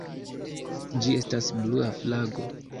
Ĝi estas blua flago.